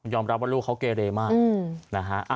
ยอมรับว่าลูกเขาเกรดมากนะคะ